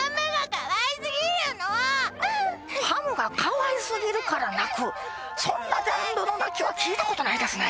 ハムがかわいすぎるから泣くそんなジャンルの泣きは聞いたことないですね